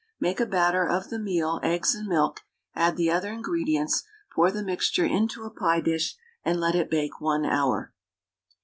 Make a batter of the meal, eggs and milk, add the other ingredients, pour the mixture into a pie dish, and let it bake 1 hour.